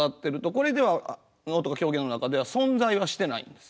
これでは能とか狂言の中では存在はしてないんですよ。